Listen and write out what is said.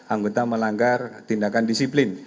anggota melanggar tindakan disiplin